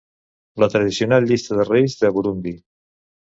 La tradicional llista de reis de Burundi.